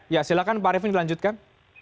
ya silahkan pak arifin dilanjutkan